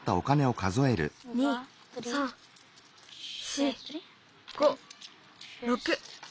２３４５６。